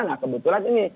nah kebetulan ini